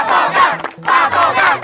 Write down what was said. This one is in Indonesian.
pak jaya pak jaya